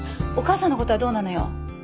お母さんのことはどうなのよ。